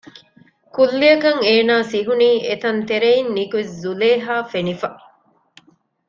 ކުއްލިއަކަށް އޭނާ ސިހުނީ އެތަން ތެރެއިން ނިކުތް ޒުލޭހާ ފެނިފަ